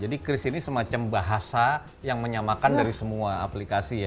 jadi kris ini semacam bahasa yang menyamakan dari semua aplikasi ya